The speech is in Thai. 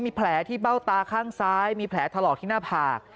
มีแผลที่เบ้าตาข้างซ้ายมีแผลถลอกที่หน้าผาก